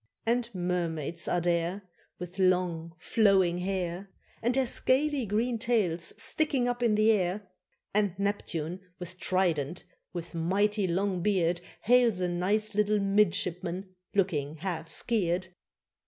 And mermaids are there, With long flowing hair, And their scaly green tails sticking up in the air; And Neptune with trident, with mighty long beard, Hails a nice little midshipman, looking half "skeer'd."